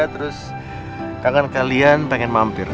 terus kan kalian pengen mampir